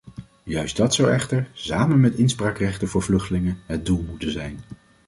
Juist dat zou echter, samen met inspraakrechten voor vluchtelingen, het doel moeten zijn.